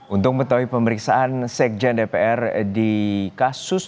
untuk mengetahui pemeriksaan sekjen dpr di kasus